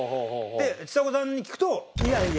でちさ子さんに聞くと。